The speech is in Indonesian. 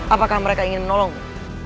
apakah mereka ingin menolongmu